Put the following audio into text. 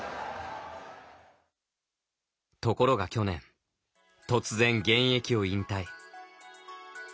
ところが去年突然、現役を引退。